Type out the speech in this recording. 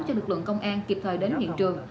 cho lực lượng công an kịp thời đến hiện trường